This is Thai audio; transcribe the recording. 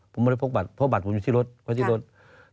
ผมไม่ได้พกบัตรเพราะบัตรผมอยู่ที่รถเพราะที่รถ